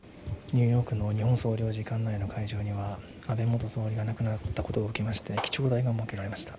ニューヨークの日本総領事館内には安倍元総理が亡くなったことを受けまして、記帳台が設けられました。